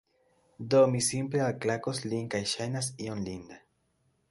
Do, mi simple alklakos lin li ŝajnas iom linda